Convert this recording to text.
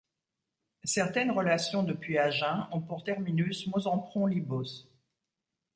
Certaines relations depuis Agen ont pour terminus Monsempron-Libos.